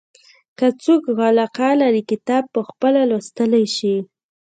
که څوک علاقه لري کتاب پخپله لوستلای شي.